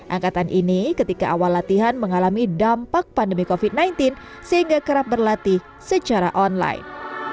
angkatan ini ketika awal latihan mengalami dampak pandemi covid sembilan belas sehingga kerap berlatih secara online